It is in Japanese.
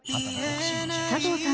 佐藤さん